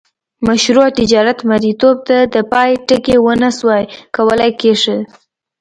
مشروع تجارت مریتوب ته د پای ټکی ونه سوای کولای کښيږدي.